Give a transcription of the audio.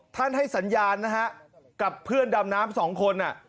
ให้สัญญาณนะฮะกับเพื่อนดำน้ำสองคน